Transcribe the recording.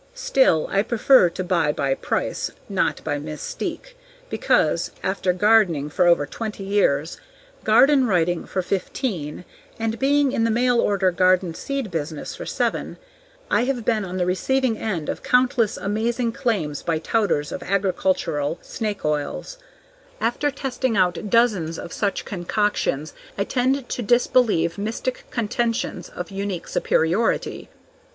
Still, I prefer to buy by price, not by mystique, because, after gardening for over twenty years, garden writing for fifteen and being in the mail order garden seed business for seven I have been on the receiving end of countless amazing claims by touters of agricultural snake oils; after testing out dozens of such concoctions I tend to disbelieve mystic contentions of unique superiority.